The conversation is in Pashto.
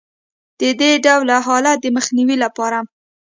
د دې ډول حالت د مخنیوي لپاره